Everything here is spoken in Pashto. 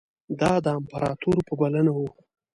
دا د امپراطور په بلنه وو.